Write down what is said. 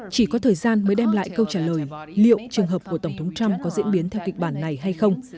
chỉ có thời gian mới đem lại câu trả lời liệu trường hợp của tổng thống trump có diễn biến theo kịch bản này hay không